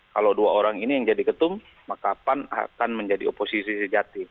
kalau dua orang ini yang jadi ketum maka pan akan menjadi oposisi sejati